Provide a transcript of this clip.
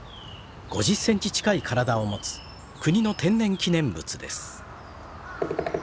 ５０センチ近い体を持つ国の天然記念物です。